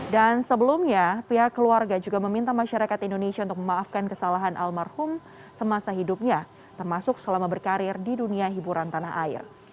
dan sebelumnya pihak keluarga juga meminta masyarakat indonesia untuk memaafkan kesalahan almarhum semasa hidupnya termasuk selama berkarir di dunia hiburan tanah air